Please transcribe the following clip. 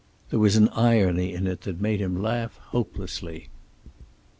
There was an irony in it that made him laugh hopelessly.